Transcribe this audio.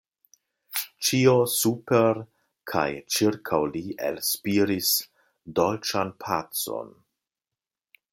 Ĉio super kaj ĉirkaŭ li elspiris dolĉan pacon.